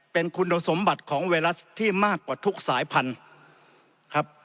เป็นคุณสมบัติของไวรัสที่มากกว่าทุกสายพันธุ์ครับ